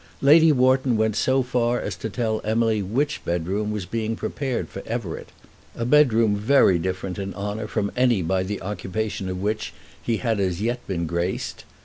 Lady Wharton went so far as to tell Emily which bedroom was being prepared for Everett, a bedroom very different in honour from any by the occupation of which he had as yet been graced.